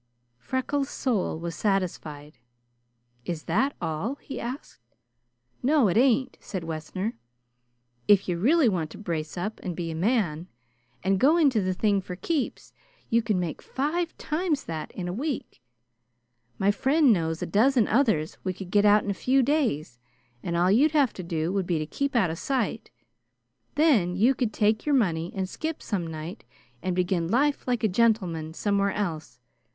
Freckles' soul was satisfied. "Is that all?" he asked. "No, it ain't," said Wessner. "If you really want to brace up and be a man and go into the thing for keeps, you can make five times that in a week. My friend knows a dozen others we could get out in a few days, and all you'd have to do would be to keep out of sight. Then you could take your money and skip some night, and begin life like a gentleman somewhere else.